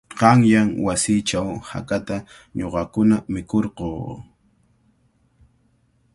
Qanyan wasiichaw hakata ñuqakuna mikurquu.